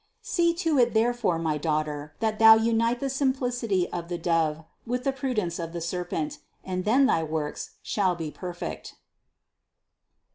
See to it, therefore, my daughter, that thou unite the simplicity of the dove with the prudence of the serpent, and then thy works shall be perfect.